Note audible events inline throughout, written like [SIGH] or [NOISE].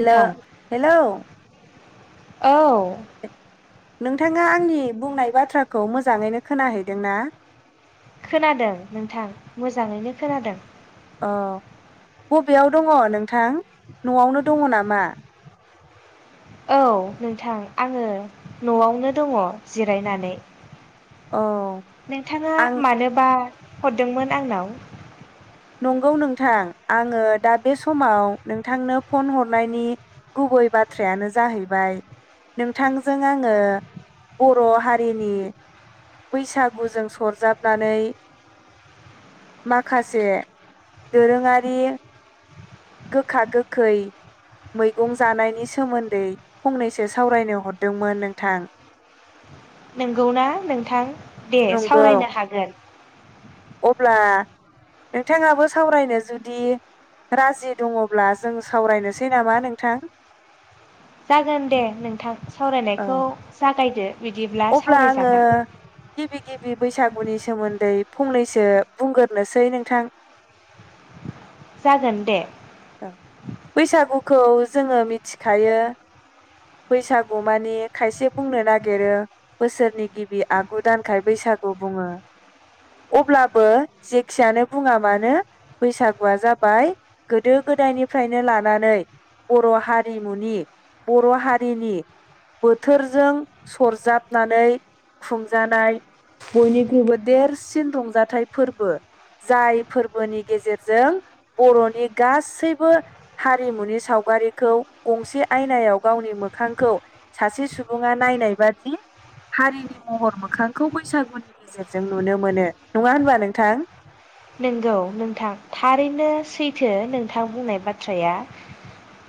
नोंथां हेलौ औ नोंथाङा आंनि बुंनाय बाथ्राखौ मोजाङैनो खोनाहैदों ना? खोनादों नोंथां मोजाङैनो खोनादों। अ बबेयाव दङ नोंथां न'आवनो दङ नामा औ नोंथां आङो न'आवनो दङ जिरायनानै। औ नोंथाङा आं मानोबा हरदोंमोन आंनाव? नंगौ नोंथां आङो दा बे समाव नोंथांनो फन हरनायनि गुबै बाथ्रायानो जाहैबाय नोंथांजों आङो बर' हारिनि बैसागुजों सरजाबनानै माखासे दोरोङारि गोखा गोखै मैगं जानायनि सोमोन्दै फंनैसो सावरायनो हरदोंमोन नोंथां नोंगौ ना नों नोंथां दे नंगौ सावरायनो हागोन। अब्ला नोंथाङाबो सावरायनो जुदि राजि दङब्ला जों सावरायनोसै नामा नोंथां? जागोन दे नोंथां औ सावरायनायखौ जागायदो बिदिब्ला अब्ला आङो सावरायजागोन। गिबि गिबि बैसागुनि सोमोन्दै फंनैसो बुंगोरनोसै नोंथां जागोन दे। औ बैसागुखौ जोङो मिथिखायो बैसागु मानि खायसे बुंनो नागिरो बोसोरनि गिबि आगु दानखाय बैसागु बुङो अब्लाबो जेखियानो बुङा मानो बैसागुआ जाबाय गोदो गोदायनिफ्रायनो लानानै बर' हारिमुनि बर' हारिनि बोथोरजों सरजाबनानै खुंजानाय बयनिख्रुइबो देरसिन रंजाथाइ फोरबो जाय फोरबोनि गेजेरजों बर'नि गासैबो हारिमुनि सावगारिखौ गंसे आयनायाव गावनि मोखांखौ सासे सुबुङा नायनाय बादि हारिनि महर मोखांखौ बैसागुनि गेजेरजों नुनो मोनो नङा होनबा नोंथां। नंगौ नोंथां थारैनो सैथो नोंथां बुंनाय बाथ्राया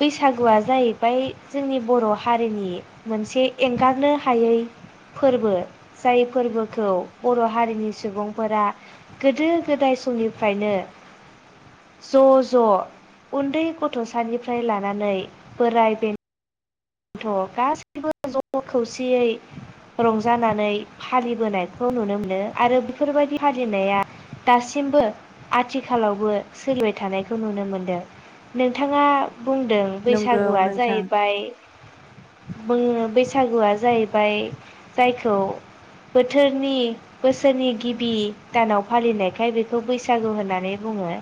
बैसागुआ जाहैबाय जोंनि बर' हारिनि मोनसे एंगारनो हायै फोरबो जाय फोरबोखौ बर' हारिनि सुबुंफोरा गोदो गोदाय समनिफ्रायनो ज' ज' उन्दै गथ'सानिफ्राय लानानै बोराय बेन थ' गासैबो ज' खौसेयै रंजानानै फालिबोनायखौ नुनो मोनदों आरो बेफोरबायदि फालिनाया दासिमबो आथिखालावबो सोलिबाय थानायखौ नुनो मोनदों नोंथाङा बुंदों नंगौ बैसागुआ नोंथां। जाहैबाय बुङो बैसागुआ जाहैबाय जायखौ बोथोरनि बोसोरनि गिबि दानाव फालिनायखाय बेखौ बैसागु होननानै बुङो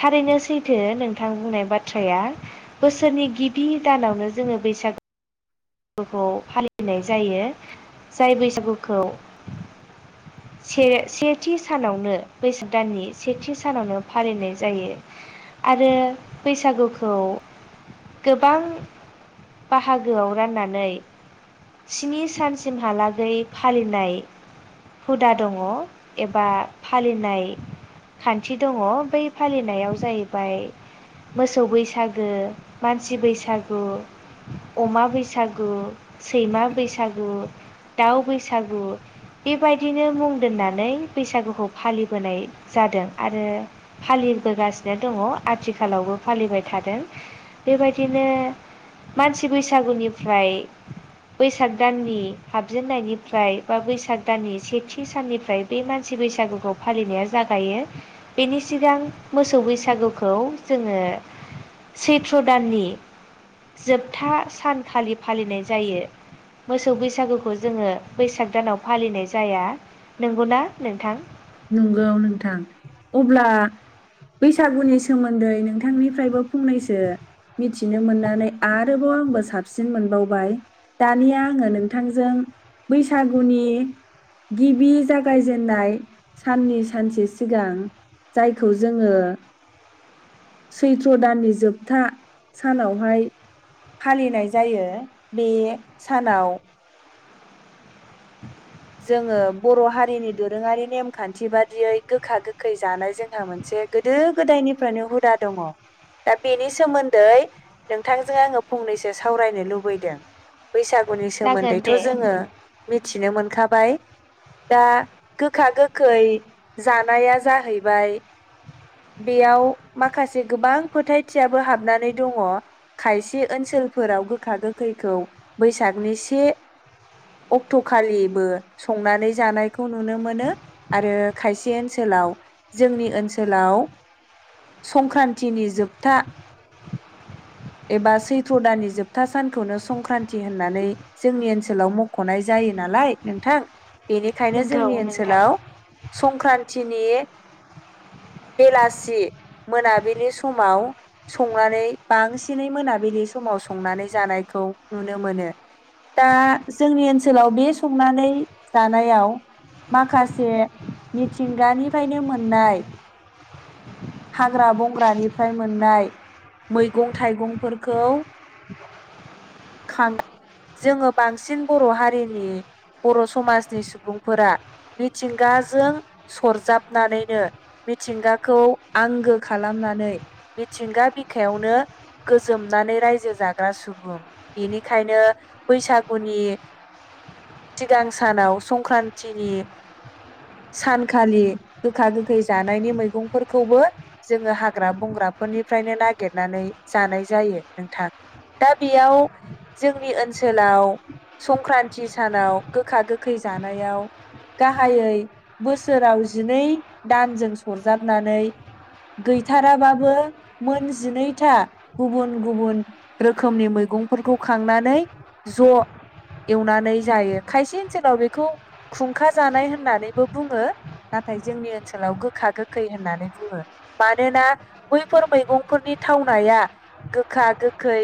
थारैनो सैथो नोंथां बुंनाय बाथ्राया बोसोरनि गिबि दानावनो जोङो बैसागु- बागुखौ फालिनाय जायो जाय बैसागुखौ से सेथि सानावनो बैसाग दाननि सेथि सानावनो फालिनाय जायो आरो बैसागुखौ गोबां बाहागोआव राननानै स्नि सानसिमहालागै फालिनाय हुदा दङ एबा फालिनाय खान्थि दङ बै फालिनायाव जाहैबाय मोसौ बैसागु मानसि बैसागु अमा बैसा बसागु सैमा बैसागु दाउ बैसागु बेबायदिनो मुं दोननानै बैसागुखौ फालिबोनाय जादों आरो फालिबोगासिनो दङ आथिखालावबो फालिबाय थादों बेबायदिनो मानसि बैसागुनि फ्राय बैसाग दाननि हाबजेननायनिफ्राय बा बैसाग दाननि सेथि साननिफ्राय बे मानसि बैसागुखौ फालिनाया जागायो बेनि सिगां मोसौ बैसागुखौ जोङो सैथ्र दाननि जोबथा सान खालि फालिनाय जायो मोसौ बैसागुखौ जोङो बैसाग दानाव फालिनाय जाया नंगौना नोंथां नंगौ नोंथां अब्ला बैसागुनि सोमोन्दै नोंथांनिफ्रायबो फंनैसो मिथिनो मोननानै आरोबाव आंबो साबसिन मोनबावबाय दानिया आङो नोंथांजों बैसागुनि गिबि जागायजेननाय साननि सानसे सिगां जायखौ जोङो सैथ्र दाननि जोबथा सानावहाय फालिनाय जायो बे सानाव जोङो बर हारिनि दोरोङारि नेमखान्थि बादियै गोखा गोखै जानाय जोंहा मोनसे गोदो गोदायनिफ्रायनो हुदा दङ दा बेनि सोमोन्दै नोंथांजों आङो फंनैसो सावरायनो लुबैदों बैसागुनि जागोन सोमोन्दैथ दे जोङो मिथिनो मोनखाब दा गोखा गोखै जानाया जाहैबाय बेयाव माखासे गोबां फोथायथियाबो हाबनानै दङ खायसे ओनसोलफोराव गोखा गोखैखौ बैसागनि से अक्टखालिबो संनानै जानायखौ नुनो मोनो आरो खायसे ओनसोलाव जोंनि ओनसोलाव संक्रान्तिनि जोबथा एबा सैथ्र दाननि जोबथा सानखौनो संक्रान्ति होननानै जोंनि ओनसोलाव मखनाय जायो नालाय नोंथां बेनिखायनो नंगौ जोंनि नोंथां ओनसोलाव संक्रान्तिनि बेलासि मोनाबिलि समाव संनानै बां बांसिनै मोनाबिलि समाव संनानै जानायखौ नुनो मोनो दा जोंनि ओनसोलाव बे संनानै जानायाव माखासे मिथिंगानिफ्रायनो मोननाय हाग्रा बंग्रानिफ्राय मोननाय मैगं थाइगंफोरखौ खां जोङो बांसिन बर हारिनि बर समाजनि सुबुंफोरा मिथिंगाजों सरजाबनानैनो मिथिंगाखौ आंगो खालामनानै मिथिंगा बिखायावनो गोजोमनानै रायजो जाग्रा सुबुं बेनिखायनो बैसागुनि सिगां सानाव संक्रान्तिनि सानखालि गोखा गोखै जा जानायनि मैगंफोरखौबो जोङो हाग्रा बंग्राफोरनिफ्रायनो नागिरनानै जानाय जायो नोंथां दा बेयाव जोंनि ओनसोलाव संक्रान्ति सानाव गोखा गोखै जानायाव गाहायै बोसोराव जिनै दानजों सरजाबनानै गैथाराबाबो मोनजिनैथा गुबुन गुबुन रोखोमनि मैगंफोरखौ खांनानै ज एवनानै जायो खायसे ओनसोलाव बेखौ खुंखा जानाय होननानैबो बुङो नाथाय जोंनि ओनसोलाव गोखा गोखै होननानै बुङो मानोना बैफोर मैगंफोरनि थावनाया गोखा गोखै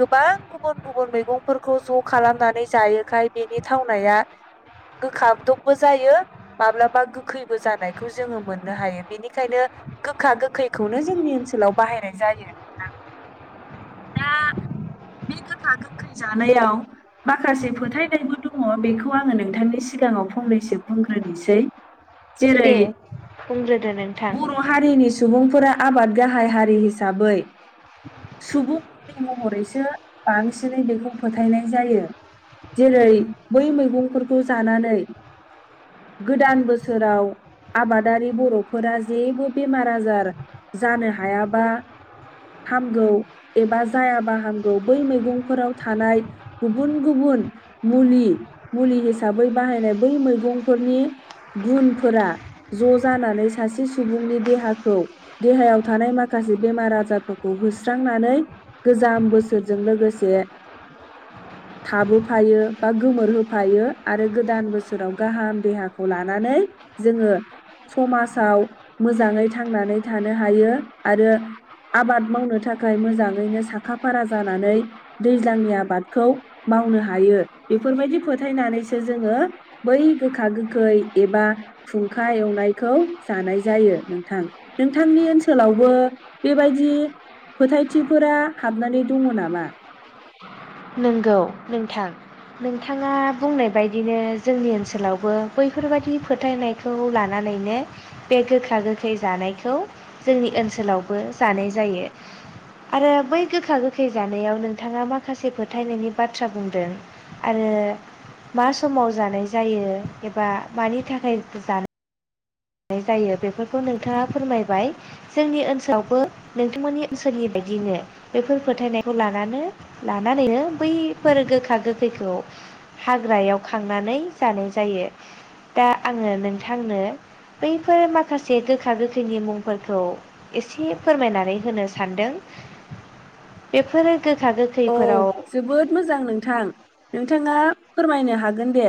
गोबां गुबुन गुबुन मैगंफोरखौ ज खालामनानै जायोखाय बेनि थावनाया गोखादबबो जायो माब्लाबा गोखैबो जानाय खौ जोङो मोननो हायो बेनिखायनो गोखा गोखैखौनो जोंनि ओनसोलाव बाहायनाय जायो नोंथां दा बे गोखा गोखै जानायाव माखासे फोथायनायबो दङ बेखौ आङो नोंथांनि सिगाङाव फंनैसो बुंग्रोनोसै जेरै दे बुंग्रोदो नोंथां नि सुबुंफोरा आबाद गाहाय हारि हिसाबै सुबुंनि महरैसो बांसिनै बेखौ फोथायनाय जायो जेरै बै मैगंफोरखौ जानानै गोदान बोसोराव आबादारि बर फोरा जेबो बेमार आजार जानो हायाबा हामगौ एबा जायाबा हामगौ बै मैगंफोराव थानाय गुबुन गुबुन मुलि मुलि हिसाबै बाहायनाय बै मैगंफोरनि गुनफोरा ज जानानै सासे सुबुंनि देहाखौ देहायाव थानाय माखासे बेमार आजारफोरखौ होस्रांनानै गोजाम बोसोरजों लोगोसे थाबोफायो बा गोमोरहोफायो आरो गोदान बोसोराव गाहाम देहाखौ लानानै जोङो समाजाव मोजाङै थांनानै थानो हायो आरो आबाद मावनो थाखाय मोजाङैनो साखा फारा जानानै दैज्लांनि आबादखौ मावनो हायो बेफोरबायदि फोथायनानैसो जोङो बै गोखा गोखै एबा खुं खुंखा एवनायखौ जानाय जायो नोंथां नोंथांनि ओनसोलावबो बेबायदि फोथायथिफोरा हाबनानै दङ नामा नंगौ नोंथां नोंथाङा बुंनाय बायदिनो जोंनि ओनसोलावबो बैफोरबायाददि फोथायनायखौ लानानैनो बे गोखा गोखै जानायखौ जोंनि ओनसोलावबो जानाय जायो आरो बै गोखा गोखै जानायाव नोंथाङा माखासे फोथायनायनि बाथ्रा बुंदों आरो मा समाव जानाय जायो एबा मानि थाखाय जानाय जायो बेफोरखौ नोंथाङा फोरमायबाय जोंनि ओनसोलावबो नोंथांमोननि ओनसोलनि बायदिनो बेफोर फोथायनायखौ लानानै लानानैनो बैफोर गोखा गोखैखौ हाग्रायाव खांनानै जानाय जायो दा आङो नोंथांनो बैफोर माखासे गोखा गोखैनि मुंफोरखौ एसे फोरमायनानै होनो सानदों बेफोरो गोखा औ गोखैफोराव जोबोद मोजां नोंथां। नोंथाङा फोरमायनो हागोन दे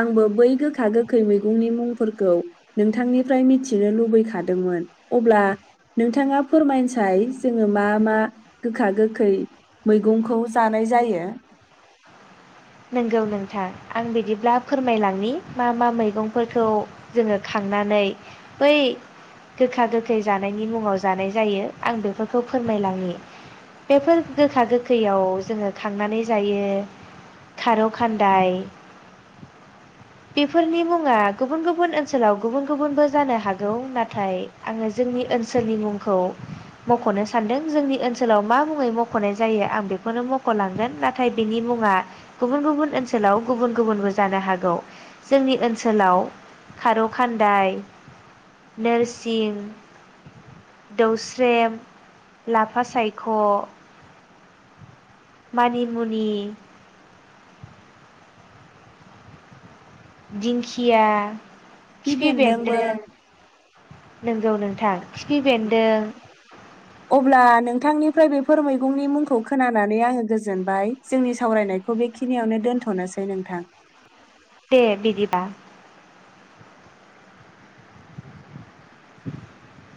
आंबो बै गोखा गोखै मैगंनि मुंफोरखौ नोंथांनिफ्राय मिथिनो लुबैखादोंमोन अब्ला नोंथाङा फोरमायसाय जोङो मा मा गोखा गोखै मैगंखौ जानाय जायो। नंगौ नोंथां आं बिदिब्ला फोरमायलाङनि मा मा मैगंफोरखौ जोङो खांनानै बै गोखा गोखै जानायनि मुङाव जानाय जायो आं बेफोरखौ फोरमायलाङि बेफोर गोखा गोखैयाव जोङो खांनानै जायो। खारौ खान्दाय बेफोरनि मुङा गुबुन गुबुन ओनसोलाव गुबुन गुबुनबो जानो हागौ नाथाय आङो जोंनि ओनसोलनि मुंखौ मखनो सानदों जोंनि ओनसोलाव मा मुङै मखनाय जायो आं बेखौनो मख'लांगोन नाथाय बेनि मुङा गुबुन गुबुन ओनसोलाव गुबुन गुबुनबो जानो हागौ जोंनि ओनसोलाव खार' खान्दाइ नोरसिं दौस्रेम लाफा सायख' मानिमुनि दिंखिया खिफि बेन्दोंबो नंगौ नोंथां। खिफि बेन्दों अब्ला नोंथांनिफ्राय बेफोर मैगंनि मुंखौ खोनानानै आङो गोजोनबाय जोंनि सावरायनायखौ बेखिनियावनो दोन्थ'नोसै नोंथां। दे बिदिबा [INAUDIBLE]